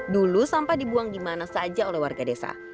dulu sampah dibuang di mana saja oleh warga desa